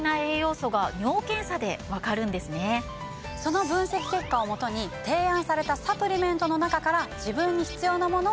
その分析結果をもとに提案されたサプリメントの中から自分に必要なものを選択。